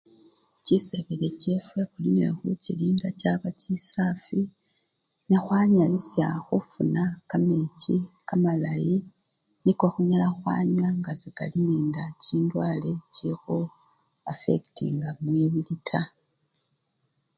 Chisebeke chefwe khuli nekhuchilinda chaba chisafwi nekhwanyalisya khufuna kamechi kamalayi niko khunyala khwanywa nga sekali nende chindwale chikhu affectinga mwibili taa.